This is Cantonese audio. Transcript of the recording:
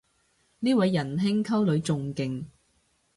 呢位人兄溝女仲勁